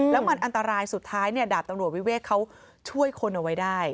แล้วมันอันตรายสุดท้ายเนี่ยดาบตำรวจวิเวกเขาช่วยคนเอาไว้ได้